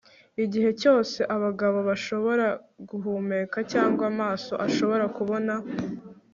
igihe cyose abagabo bashobora guhumeka cyangwa amaso ashobora kubona